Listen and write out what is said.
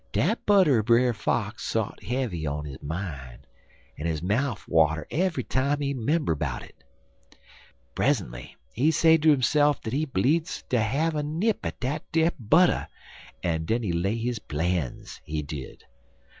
Dat butter er Brer Fox sot heavy on his mine, en his mouf water eve'y time he 'member 'bout it. Present'y he say ter hisse'f dat he bleedzd ter have a nip at dat butter, en den he lay his plans, he did.